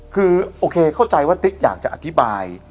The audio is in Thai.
คือโอเคเข้าใจว่าติ๊กอยากจะอธิบาย